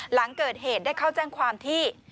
หลังเกิดเหตุได้เข้าแจ้งความที่